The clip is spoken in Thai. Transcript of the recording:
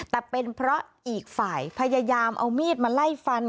แต่เป็นเพราะอีกฝ่ายพยายามเอามีดมาไล่ฟัน